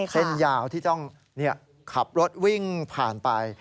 เส้นยาวที่ต้องขับรถวิ่งผ่านไป